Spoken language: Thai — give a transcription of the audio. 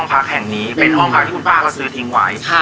แล้วคุณพ่อก็ซื้อทิ้งไว้